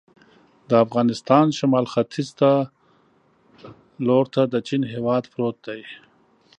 د افغانستان شمال ختیځ ته لور ته د چین هېواد پروت دی.